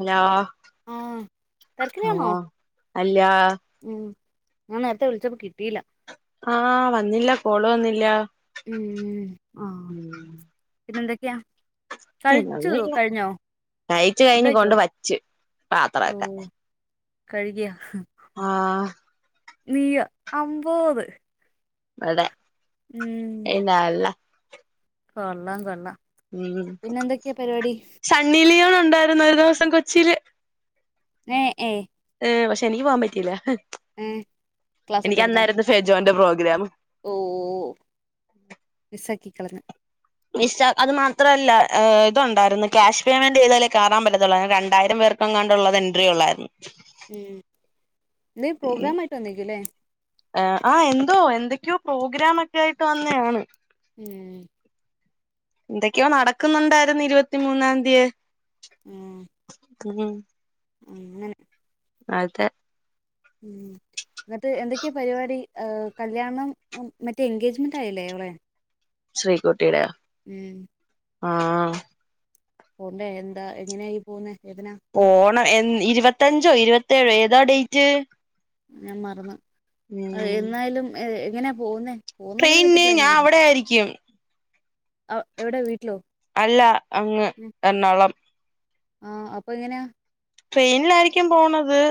Hello ആഹ് തിരക്കിലാണോ അല്ലാ ഉം ഞാൻ നേരത്തെ വിളിച്ചപ്പോ കിട്ടീല്ല ആഹ വന്നില്ല കോള് വന്നില്ല മ്മ് -മ്മ് ആഹ പിന്നെ എന്ത പിന്നൊന്നില്ല കഴിച്ച് ഫുഡ് കഴിഞ്ഞ് കഴിച്ചോ കൊണ്ട് വച്ച് ഓ പാത്രൊക്കെ കഴുകിയാ ആഹ നീ അമ്പോത് അടെ ഉം കൊള്ളാം കൊള്ളാം ഉം പിന്നെന്തൊക്കെയാ പരിപാടി സണ്ണിലിയോൺ ണ്ടായിരുന്നു ഒരു ദിവസം കൊച്ചിയില് ഏ ഏ പക്ഷെ എനിക്ക് പോവാൻ പറ്റില്ല ഏ ക്ലാസ് എനിക്ക് ഉണ്ടായിരുന്നോ അന്നായിരുന്നു ഫെജോന പ്രോഗ്രാം ഓ മിസ്സാക്കി [unintelligible] [unintelligible] അത് മാത്രമല്ല ഇതുണ്ടായിരുന്നു ക്യാഷ് പേയ്മെന്റ് ചെയ്താലേ കറാൻ പത്തുള്ളായിരുന്നു രണ്ടായിരം പേർക്കെങ്ങാണ്ടുള്ളത് എൻട്ര ഉള്ളായിരുന്നു. ഉം നീ ഉം പ്രോഗ്രാമായിട്ട് ഒന്നിക്കല്ലേ. റ്റോ പ്രോഗ്രാം ഒക്കെ ആയിട്ട് വന്നെയാണ്. ഉം. എന്തൊക്കെയോ നടക്കുന്നുണ്ടായിരുന്നു ഇരുപത്തി മൂന്നാം തിയെ- ഉം. [unintelligible] [unintelligible] അതെ ഉം അങ്ങട്ട് എന്തൊക്കെയ പരിപാടി കല്യാണം മറ്റേ എൻഗേജ്മെന്റ് ആയില്ലേ എവിടെ. ശ്രീകുട്ടിയുടെ. ഉം. ആഹ്. പോണ്ടേ എന്താ എങ്ങനെയായി പോന്നെ. പോണം ഇരുപത്തഞ്ചോ ഇരുപത്തേഴോ ഏ എതാ ഡേയിറ്റ് ഞാൻ മറന്ന് എന്നായാലും ഏ ഇങ്ങനെ പോകുന്നെ ട്രെയിനിന് ഞാൻ അവിടെ ആയിരിക്കും. എവിടെ വീ അല്ല അങ്ങ് എറണോളം. ആഹ അപ്പൊ എങ്ങനെയാ ട്രെയിനിലായിരിക്കും പോണത്.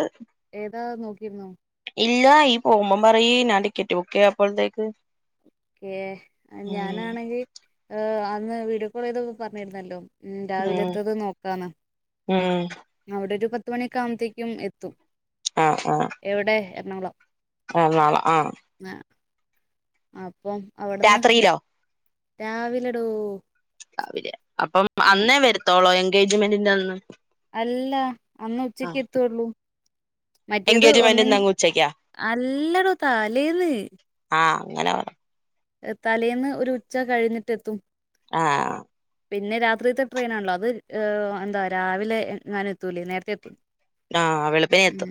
ഏതാ നോക്കിരുന്നോ. ഇല്ല ഈ പോകുമ്പോം പറയി ഞാൻ ടിക്കറ്റ് ബുക്ക് ചെയ്യപ്പോഴത്തേക്ക്. ക്കെ ഞാനാണെങ്കിൽ. [unintelligible] അന്ന് വീഡിയോ കോൾ ചെയ്ത പറഞ്ഞിരുന്നല്ലോ. ഉ ഉം രാവിലെത്തത് നോക്കാന്ന് ഉം അവിടെ ഒരു. പത്ത് മണിക്കാവുമ്പത്തേക്കും എത്തും. ആഹ് ആഹ്. ണങ്ങളോ. ആഹ് നാള ആഹ്. ആ അപ്പം അവിടുന്ന്. രാത്രിയിലോ രാവിലെടോ. ാവില്ല. അപ്പം ഉം അന്നേ വരുത്തോളോ എ എൻഗേജ്മെന്റിന്റന്ന് അല്ല അന്ന് ഉച്ചക്ക് എത്തുള്ളൂ. മറ്റിയത് ഒന്നെ എൻഗേജ്മെന്റിന്ന് അങ്ങ് ഉച്ചക്കാ അല്ലെടോ തലേന്ന്. ആഹ് അങ്ങനെ പറ തലേന്ന് ഒരു ഉച്ച കഴിഞ്ഞിട്ടെത്തും. ആഹ് പിന്നെ രാത്രിയത്തെ ട്രെയിനാണല്ലോ അത് എന്താ രാവിലെങ്ങാനും എത്തൂലേ നേരത്തെ എത്തും. ആ വെളുപ്പിനേ ഉം എത്തും.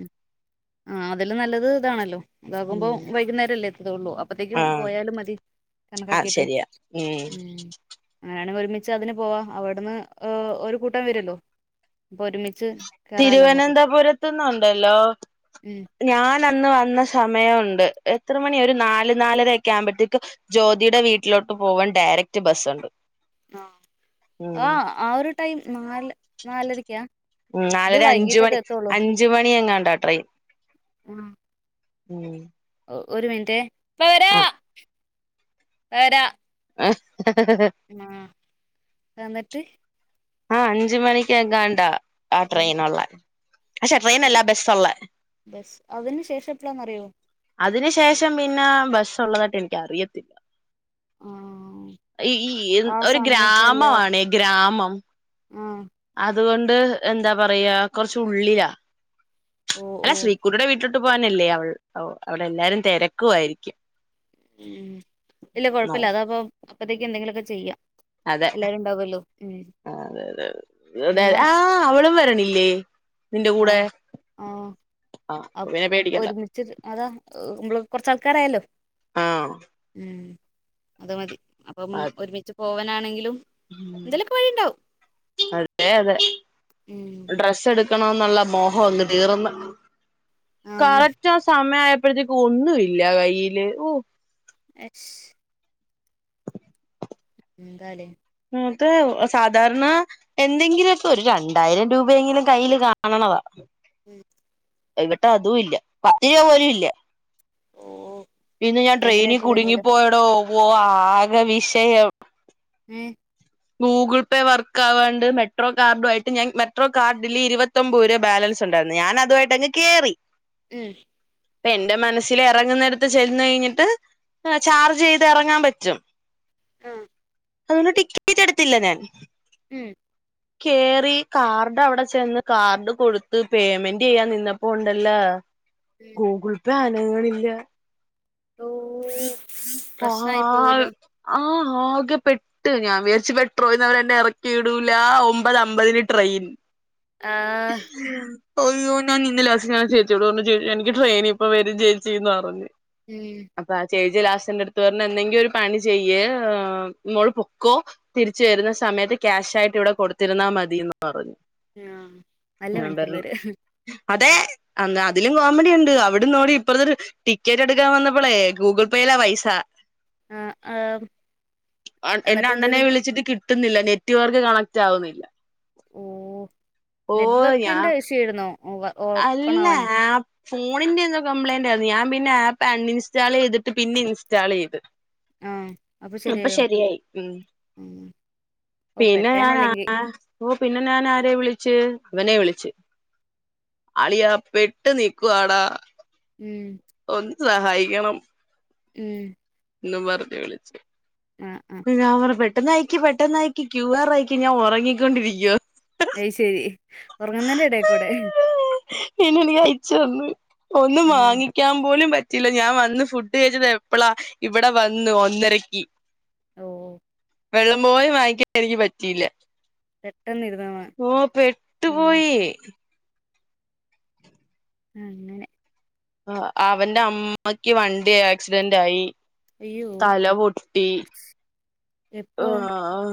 ആ അതില് നല്ലത് ഇതാണല്ലോ ഇതാകുമ്പോ ഉം വൈകുന്നേരല്ലേ എത്തുകള്ളൂ അപ്പത്തേക്കും ആഹ് പോയാലും മതി ആഹ് കണക്കാക്കിയിട്ട് ശരിയാ ഉം അങ്ങനാണ ഒരുമിച്ച് അതിന് പോവാ അവിടന്ന് ഒരു കൂട്ടം വരുല്ലോ അപ്പൊ ഒരുമിച്ച് കേറാലോ അങ്ങോട്ട് തിരുവനന്തപുരത് ത് ന്നുണ്ടല്ലോ ഉം ഞൻ അന്ന് വന്ന ശമയ യാ ഉണ്ട് എത്ര മണി ഒരു നാല് നാലര ഒക്കെ ആവുമ്പഴത്തേക്ക് ജ്യോതിയുടെ വീട്ടിലോട്ട് പോവാൻ ഡയറക്ട് ബസ്സുണ്ട് ഉം ആ ആ ഒരു ടൈം നാല് നാലരക്കാ ഉം ഇത് നാലര വൈകീട്ടത്തെ അഞ്ച്മണി എത്തുള്ളൂ അഞ്ച്മണി എങ്ങാണ്ടാ ട്രെയിൻ ആഹ് ഉം ഒരു മിൻറ്റെ ആ വരാ ഏഹ് ആ എന്നിട്ട് ആ അഞ്ച് മണിക്ക്ങ്ങാണ്ടാ ആ ട്രെയിനുള്ളേ ഇ ബസ് അതിനു ശേഷം എപ്പളാന്നറിയോ അതിന് ശേഷം പിന്നെ ബസ് ഉള്ളതായിട്ട് എനിക്കറിയത്തില്ല ആഹ് ഈ ഒരു ഗ്രാമവാണേ ഗ്രാമം ഉം ആഹ തുകൊണ്ട് എന്താ പറയാ കൊർച്ചുള്ളിലാ ഓ ഓ അല്ല ശ്രീകുട്ടുടെ വീട്ടു ട്ട് പോവാനില്ലേ അവൾ അവ് അവടെ എല്ലാരും തിരക്കുവായിരിക്കും ഉ ഇല്ല നോ കൊഴപ്പില്ല അത അപ്പൊ അത്തേക്ക് എെങ്കിലൊക്കെ ചെയ്യാം അതെ എല്ലാരും ഉണ്ടാവല്ലോ ഉം അതതെ അതെെ ആ അവളും വരണി ഇല്ലേ ആഹ ആഹ ആ അ പിന്നെ പേടിക്കണ്ട ഒരുമിച്ച് അതാ നമ്മള് കൊറച്ച്ാൾക്കാരായാലോ ആ ഉ അത മതിരി അപ്പം അത് ഒരുമിച്ചച്ച് ഓവന ആണെങ്കിലും അതെ അതെ ഉം ഡ്രസ്സ് എടു ക്കണന്നുള്ള മോഹം അങ്ങ് തീർന്ന് ആ കക ചോ സാമയാ ആയാ ഇപ്പോഴത്തേക്ക ഒന്ന ഇല്ല കയ്യില് ഓ എഫസ് ഉന്താല അത്തെ സാധാരണ എന്തെങ്കിലുമൊക്കെ ഒരു രണ്ടായിരം രൂപയെങ്കിലും കയ്ൽ കാണണതാ ഉം ഇവിട്ട അതും ഇല്ല പത്ത് രൂപ പോലും ഇല്ല ഓ ഇന്ന് ഞാൻ ട്രെയിനിൽ ഭയങ്കരായിട്ട് വരുവല്ലോ കുടുങ്ങിപ്പോയടോ ഓ ആക വിഷയം ഉം ഗൂഗിൾ പേ വർക്ക് ആവാണ്ട് മെട്രോ കാർഡു ആയിട്ട് ഞാൻ മെട്രോ കാർഡില് ഇരുപത്തിൊൻമ്പത് രൂപ ബാലൻസ് ഉണ്ടായിരുന്നു ഞാൻ അതുമായിട്ട് അങ്ങ് കയറി ഉഹ ഇപ്പ എൻന്റെ മനസ്സിൽ ഇറങ്ങുന്നിടുത്ത് ചെന്ന് കഴിഞ്ഞിട്ട് ചാർജ് ചെയ്ത് ഇറങ്ങാൻ പറ്റും ആ അതനട ഇീതെടുത്തില്ല ഞാൻ ഉം കേറി കാർഡ് അവിടെ ചെന്ന് കാർഡ് കൊടുത്ത് പേയ്മെന്റ് ചെയ്യാൻ നിന്നപ്പോ ഉണ്ടല്ലേ ഉം ഗൂഗൾ പനങ്ങളില്ല ഓ പ്രശ്നായി ആഹ പോവല്ലോ ആഹ ആഓക്കെ പെട്ട് ഞാൻ വിചാരിച്ചു പെട്രോയിന്ന്വെ ഇറക്കിയിടൂല ഒമ്പത് അമ്പതിന് ട്രെയിൻ ആ അയ്യോ ഞാൻ ഇന്നലെ ലാസ്റ്റ് ഞാൻ ചേച്ചിയോട് പറഞ്ഞ് ചേ എനിക്ക് ട്രെയിന് ഇപ്പ വരും ചേച്ചിന്ന് പറഞ്ഞ് ഉം അപ്പ ആ ചേ- ജിലാസ് റ്റ് എൻ്റടുത്ത് പറഞ്ഞ് എന്തെങ്കി ഒരു പണി ചെയ്യ് മോള് പൊക്കോ തിരിച്ചു വരുന്ന സമയത്ത് ക്യാഷ് ആയിട്ട് ഇവിടെ കൊടുത്തിരുന്നാ മതീന്ന് ആ നല്ല പറഞ്ഞു മനസ്സുള്ളോര് അതെ അന്ന് അതിലും കോമഡി ഉണ്ട് അവിടന്നോടി ഇപ്പറത്തൊരു ടിക്കറ്റ് എടുക്കാൻ വന്നപ്പോളേ ഗൂഗിൾ പേയില പൈസ സ ആഹ് ആഹ് അ എൻ്റെ എന്നിട്ട് എന്ത് അണ്ണനെ ചെയ്ത് വിളിച്ചിട്ട് കിട്ട് കിട്ടുന്നില്ല നെറ്റ്‌വർക്ക് കണക്റ്റ് ആവുന്നില്ല ഓ ഓ ഞാൻ നെറ്റ്‌വർക്കിന്റെ ഇഷ്യൂ ആയിരുന്നോ ഓപ്പൺ അല്ല ആവാന് ആ ഫോണിന്റെന്തോ കംപ്ലയിന്റ് ആയിരുന്നു ഞാൻ പിന്നെ ആപ്പ് അൺ ഇൻസ്റ്റാൾ ചെയ്തിട്ട് പിന്നെ ഇൻസ്റ്റാൾ ചെയ്ത്. ആഹ് അപ്പൊ ശരിയായോ ശരിയായി ഉം ഉം ഓ പിന്നെ ഞാൻ ആ പെട്ടേനല്ലെങ്കി ഒ പിന്നെ ഞാൻ ആരെ വിളിച്ച് അവനെ വിളിച്ച് അളിയാ പെട്ട് നിക്കുവാടാ ഉം ഒന്ന് സഹായിക്കണം ഉം എന്നും പറഞ്ഞ് വിളിച്ച് ആഹ് ആഹ് [unintelligible] പെട്ടെന്നയിക്ക് പെട്ടെന്നയിക്ക് ക്യു ആർ അയക്ക് ഞാൻ ഉറങ്ങിക്കൊണ്ടിരിക്കുവാ അയ് ശരി ഉറങ്ങുന്നേൻ്റെ ഇടെക്കൂടെ പിന്നെ എനിക്ക് അയച്ച് തന്നു ഒന്നും ഉം വാങ്ങിക്കാൻ പോലും പറ്റ് റ്റില്ല ഞാൻ വന്ന് ഫുഡ് കഴിച്ചത് എപ്പളാ ഇവിടെ വന്നു ഒന്നരക്ക് ഓ വെള്ളം പോയി വാങ്ങിക്കാൻ എനിക്ക് പറ്റീല്ല പെട്ടെന്ന് [unintelligible] ട്ടു പോയി അങ്ങനെ അവന്റെ അമ്മക്ക് വണ്ടി ആക്സിഡന്റ് ആയി അയ്യോ തല പൊട്ടി ആ എപ്പോ ആ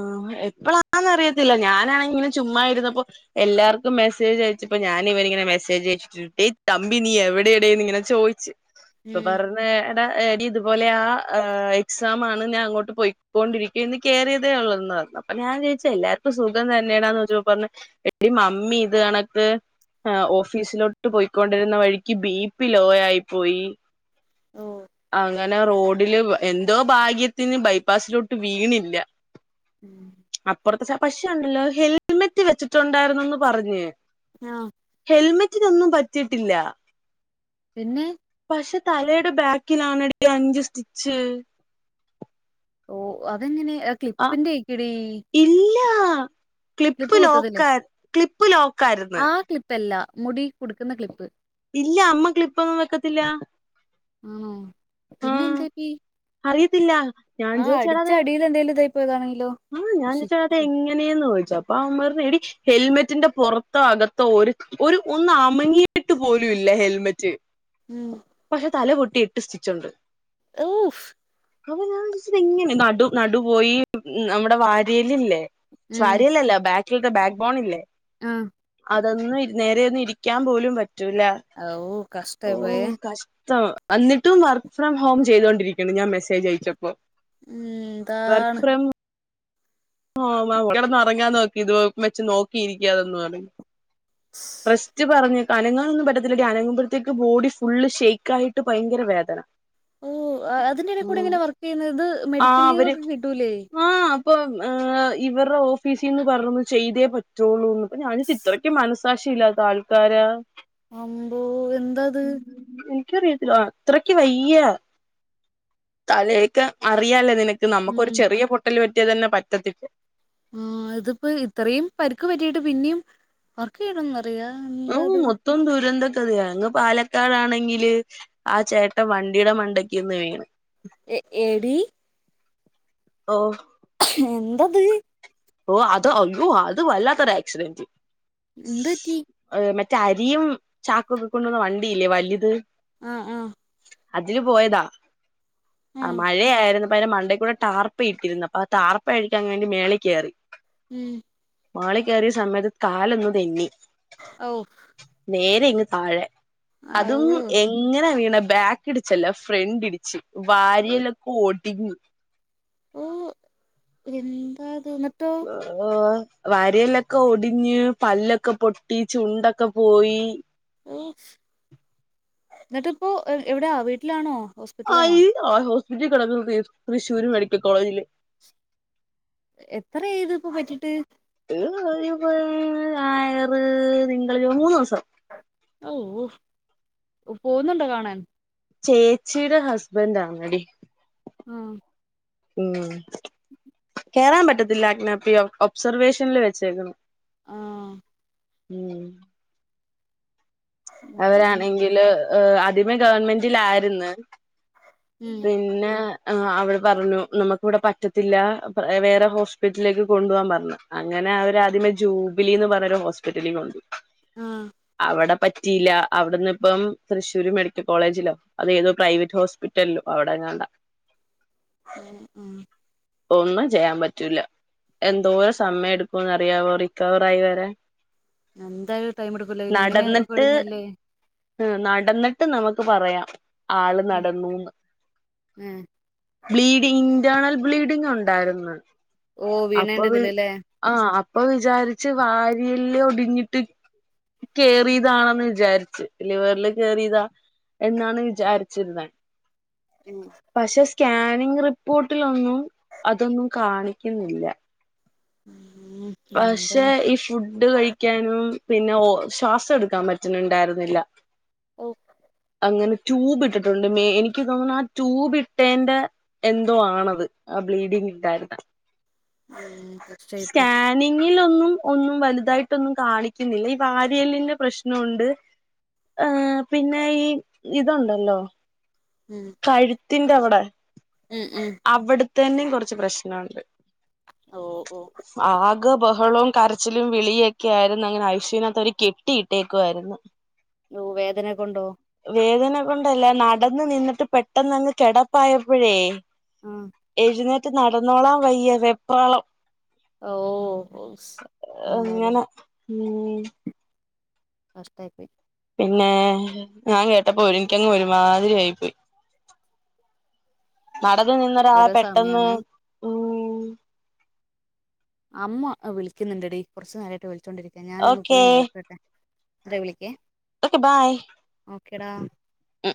എപ്പോഴാന്ന അറിയത്തില്ല ഞാനാണെങ്കി ഇങ്ങനെ ചുമ്മായിരുന്നപ്പോ എല്ലാർക്കും മെസ്സേജ് അയച്ചിപ്പോ ഞാനൻ ഇവനി ഇങ്ങെ മെസ്സേജ് അയച്ചിട്ട് ഡേ തമ്പി നീ എവിടെയടേന്ന് ഇങ്ങനെ ചോയിച്ച്. ഇപ്പൊ ഉം പറഞ്ഞ ഇതുപോലെ ആ എക്സാം ആണ് ഞാൻ അങ്ങോട്ട് പോയിക്കൊണ്ടിരി ന്ന് കേയറിയതേ ഉള്ളൂന്ന് പറഞ്ഞു അപ്പൊ ഞാൻ ചോയിച്ച് എല്ലാർക്കും സുഖം തന്നെയണാന്ന് ചോദിച്ച പറഞ്ഞു എടി മമ്മി ഇത് കണക്ക് ഓഫീസിലോട്ട് പോയിക്കൊണ്ടിരുന്ന വഴിക്ക് ബി പി ലോ ആയി പോയി. ഓ കനെ റോഡില് എന്തോ ഭാഗ്യത്തിന് ബൈപ്പാസിലോട്ട് വീണില്ല. ഉം അപ്പറത്തെ സ പക്ഷോണ്ടല്ലോ ഹെൽമെറ്റ് വെച്ചിട്ടുണ്ടായിരുന്നന്ന് പറഞ്ഞേ ആഹ ഹെൽമെറ്റിനൊന്നും പറ്റിട്ടില്ല പിന്നെ ക്ഷെ തലയടെ ബാക് കിലാനട അഞ്ച്സ്ചിച്ച് ഓ അതെങ്ങനെ അക്ലിപ്പിന്റെ ക്കിടി ആഹ ക്ലിപ്പ് ലോക്കാര് ക്ലിപ്പ് ലോ ആഹ് ക്ലിപ്പല്ല മുടി കൊടുക്കുന്ന ക്ലിപ്പ് ഇല്ല അമ്മ ക്ലിളിപ്പൊന്നും വെക്കത്തില്ല ആണോ പിന്നെ എന്താക്കി ത്തില്ല ആഹ് അടിച്ച അടിയില് എന്തേലും തേ പ്പോതാണെങ്കി ആഹ് ഞാൻ ചോയിച്ച് അതെങ്ങനേന്ന് ചോദിച്ച് അപ്പം അവന്മാര് എടീ ഹെൽമെറ്റിന്റെ പുറത്തോ അകത്തോ ഒരു ഒന്ന അമങ്ങിയിട്ട് പോലും ഇല്ല ഹെൽമെറ്റ് ഉം പക്ഷെ തല പൊട്ടി എട്ട് സ്റ്റിച്ചുണ്ട് ഊഫ് അവനാ എങ്ങനെ ന നടു പോയി നമ്മുടെ വാരിയെല്ലില്ലേ ഉം വാരിയെല്ലല്ല ബാ ഇ ബാക് ബോണില്ലേ ആഹ് അതൊന്ന് ഇ നേരെ ഇരിക്കാൻ പോലും പറ്റു ആഹ് ഓഹ് കഷ്ടായിപ്പോയേ ത്തോ അന്നിട്ടും വർക്ക് ഫ്രം ഹോം ചെയ്തോണ്ടിരിക്കണ് ഞാൻ മെസ്സേജയച്ചപ്പോ ഉം ന്താണ് [unintelligible] കെടന്നൊറങ്ങാൻ നോക്കീത് ഏഹ് വെച്ച് നോക്കിയിരിക്കാതെന്ന് പറഞ്ഞ് ഫസ്റ്റ് പറഞ്ഞ് അനങ്ങാനൊന്നും പറ്റത്തില്ല ഡീ അനങ്ങുമ്പോഴത്തേക്ക് ബോഡി ഫുള്ള് ഷെയ്ക്കായിട്ട് ഭയങ്കര വേദന ഓ അതിന്റെ എടേക്കൂടി ഉം എങ്ങനെ വർക്ക് ചെയ്യുന്നത് ആ മെഡിക്കൽ ലീവൊക്കെ കിട്ടൂലേ ആ ഇവരുടെ ഓഫീസീന്ന് പറഞ്ഞന്ന് ചെയ്തേ പറ്റുള്ളൂന്ന് അപ്പം ഞാൻ ഓർത്ത് ഇത്രക്കും മനസ്സാക്ഷിയില്ലാത്ത ആൾക്കാരാ അമ്പോ എന്താ അത് ക്ക്യറിയത്തി ആ അത്രക്ക് വയ്യ തലയെക്കെ അറിയാലോ നിന നമ്മുക്കൊരു ഉം ചെറിയ പൊട്ടല് പ റ്റ്യാതന്നെ പ റ്റത്തില്ല ആ ഇത്പ്പോ ഇത്രയും പരിക്ക് പറ്റീട്ട് പിന്നിം വർക്ക്‌ ചെയ്യണന്ന് അവൂ മൊത്തം ദൂരന്ത [unintelligible] ഇങ്ങ് പാലക്കാടാണെങ്കില് ആ ചേട്ട വണ്ടിയുടെ മണ്ടക്കൂന്ന് വീണ് എ എടീ ഓ എന്തത് ഓ അത് അയ്യോ അത് വല്ലാത്തൊരാക്സിഡന്റ് എന്ത റ്റി റ്റ രിയും ചാക്കൊക്കെ കൊണ്ടൊണ വണ്ടിയില്ലേ വലുത് ആ ആ അതില് പോയതാ ആ ആഹ് മഴയായിരുന്നു അപ്പം അയിന്റെ മണ്ടേക്കൂടെ ടാർപ്പ ഇട്ടിരുന്നു അപ്പം ആ ടാർപ്പ അഴിക്കാൻ വേണ്ടി മേളി കേറി ഉം മേളി കേറിയ സമയത്ത് കാലൊന്നു തെന്നി ഓ നേരെ ഇങ്ങ് താഴെ അതും ഔ എങ്ങനെ വീണെ ബാക്ക് ഇടിച്ചല്ല ഫ്രണ്ടി ടിച്ച് വാരിയെല്ലൊക്കെ ഒ ടിഞ്ഞു ഓ എന്താത് ന്ന [unintelligible] വാരിയെല്ലൊക്കെ ഒടിഞ്ഞ് പല്ലൊക്കെ പൊട്ടി ചുണ്ടൊക്കെ പോയി ഓ എന്നിട്ടിപ്പോ എവടാ വീട്ടിലാണോ ഹോസ്പിറ്റലാണോ അയ്യോ [unintelligible] [unintelligible] തൃശ്ശൂര് മെഡിക്കൽ കോളേജില് എത്രയായി ഇതിപ്പോ പറ്റിട്ട് [unintelligible] ഞായറ് തിങ്കള് മൂന്നോസം ഓ ഓ പോവുന്നുണ്ടോ കാണാൻ ചേച്ചിയുടെ ഹസ്ബൻറ്റാണടി ആ ഉം കേറാൻ പറ്റത്തില്ലാ [unintelligible] ഒബ്സർവേഷനിൽ വെച്ചേക്കുന്നു ആ ഉം അങ്ങനെ അവരാണെങ്കില് ഏ ആദ്യമേ ഗവൺമെന്റിലായിരുന്നു ഉം പിന്നെ ആ അവിടെ പറഞ്ഞു നമുക്കിവിടെ പറ്റത്തില്ല വേറെ ഹോസ്പിറ്റലിലേക്ക് കൊണ്ടു പോവാൻ പറഞ്ഞു അങ്ങനെ അവര് ആദ്യമേ ജൂബിലിന്ന് പറഞ്ഞ് ഒരു ഹോസ്പിറ്റലിൽ കൊണ്ടുപോയി ആ അവിടെ പറ്റിയില്ല അവിടുന്ന് ഇപ്പം തൃശൂർ മെഡിക്കൽ കോളേജിലോ അതോ ഏതോ പ്രൈവറ്റ് ഹോസ്പിറ്റ റ്റല്ലോ അവിടെങ്ങാണ്ടാ ഉം ഉം ഒന്നും ചെയ്യാൻ പറ്റൂല എന്തോരം സമയം എടുക്കുംന്ന് അറിയാവോ റിക്കവർ ആയി വരാൻ എന്തായും ടൈം എടുക്കൂലേ ഇങ്ങനെ [unintelligible] ആ നടന്നിട്ട് നമുക്ക് പറയാം ആള് നടന്നൂന്ന് ഉം ഇന്റേർണൽ ബ്ലീഡിങ്ങ് ഉണ്ടായിരുന്നു ഓ അപ്പൊഴ് വീണേന്റെതിലല്ലേ ആ അപ്പൊ വിചാരിച്ച് വാരിയല്ല് ഒടിഞ്ഞിട്ട് കേറിതാണെന്ന് വിചാരിച് ലിവറില് കേറിയതാ എന്നാണ് വിചാരിച്ചിരുന്നേ [unintelligible] സ്കാനിംങ് റിപ്പോർട്ടിലൊന്നും അതൊന്നും കാണിക്കുന്നില്ല ഉം എന്താ പക്ഷെ ഈ ഫുഡ് കഴിക്കാനും പിന്നെ ഓ ശ്വാസം എടുക്കാൻ പറ്റുന്നുണ്ടായിരുന്നില്ല ഓ അങ്ങനെ ട്യൂബ് ഇട്ടിട്ടുണ്ട് മേ എനിക്ക് തോന്നുന്നു ആ ട്യൂബ് ഇട്ടേൻ്റെ എന്തോ ആണത് ആ ബ്ലീഡിങ് ഉണ്ടായിരുന്നെ ആ സ്കാനിംങ് ഇലൊന്നും ഒന്നും വലുതായിട്ടൊന്നും കാണിക്കുന്നില്ല ഈ വാരിയെലിന്റെ പ്രശ്നമുണ്ട് ഏ പിന്നെ ഈ ഇതുണ്ടല്ലോ ഉം കഴു ത്തിന്റെ അവിടെ ഉം ഉം തന്നെയും കുറച്ച് പ്രശ്നണ്ട് ഓ ഓ ഗാ ബഹളവും കരച്ചിലും വിളിയൊക്കെയായിരുന്നു അങ്ങനെ ഐസിയുവിനാത്തവര് കെട്ടിയിട്ടേക്കുവായിരുന്നു നോ വേദന കൊണ്ടോ വേദന കൊണ്ടല്ല നടന്ന് നിന്നിട്ട് പെട്ടന്നങ്ങ് കിടപ്പായപ്പോഴേ ആഹ് എഴ്നേ ട്ട് നടന്നോളാൻ വയ്യ വെപ്രാളം ഓ ഓ എന്താലേ അങ്ങനെ ഉം കഷ്ടായിപ്പോയി പിന്നേ ഞാൻ കേട്ടപ്പോ ഒരിങ്ങിക്കൽന്ന് ഒരുമാതിരി ആയിപ്പോയി നടന്ന് നിന്നടാ ഓരോരോ സമയാണ് പെട്ടെന്ന് ഉം ഉം അമ്മ വിളിക്കുന്നുണ്ടടി കൊറച്ചു നേരായിട്ട് വിളി ച്ചോണ്ടിരിക്ക ഞാനൊന്ന് ഓക്കേ പോയി നോക്കട്ടെ ന്തവിളിക്കെ. ഓക്കെ ബൈ ഉം